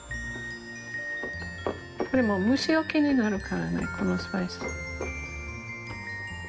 これも虫よけになるからねこのスパイス。